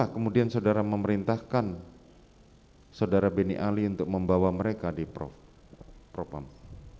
kenapa kemudian saudara memerintahkan saudara beni ali untuk membawa mereka di provos